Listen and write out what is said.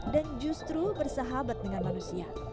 dan justru bersahabat dengan manusia